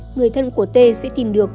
người thân của tê sẽ tìm được